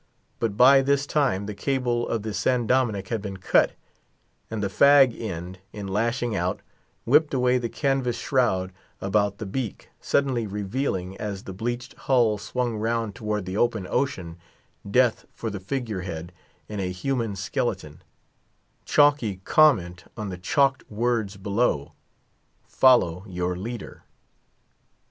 But by this time the cable of the San Dominick had been cut; and the fag end, in lashing out, whipped away the canvas shroud about the beak, suddenly revealing, as the bleached hull swung round towards the open ocean, death for the figure head, in a human skeleton; chalky comment on the chalked words below, "Follow your leader."